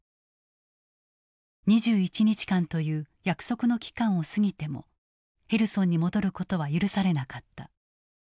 ２１日間という約束の期間を過ぎてもヘルソンに戻ることは許されなかった。